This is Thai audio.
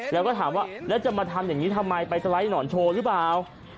แล้วก็ถามว่าแล้วจะมาทำอย่างนี้ทำไมไปสไลด์หนอนโชว์หรือเปล่า